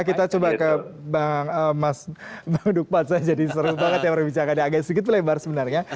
kita coba ke bang nukman saya jadi seru banget ya baru bicara agak sedikit lebar sebenarnya